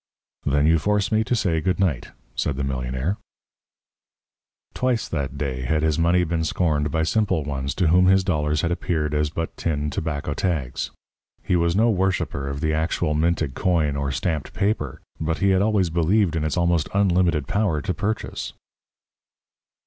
"Then you force me to say good night," said the millionaire. Twice that day had his money been scorned by simple ones to whom his dollars had appeared as but tin tobacco tags. He was no worshipper of the actual minted coin or stamped paper, but he had always believed in its almost unlimited power to purchase.